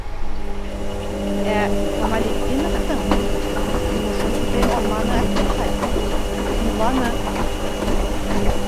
Ә Камалетдиновтың йомошон үтәй алманы Әптеләхәт: һуңланы.